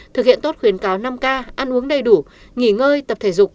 thực hiện tốt khuyến cáo năm k ăn uống đầy đủ nghỉ ngơi tập thể dục